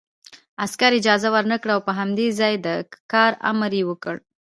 عسکر اجازه ورنکړه او په همدې ځای د کار امر یې وکړ